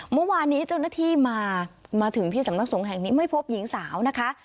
เมื่อวานนี้เจ้าหน้าที่มามาถึงที่สำนักสงฆ์แห่งนี้ไม่พบหญิงสาวนะคะ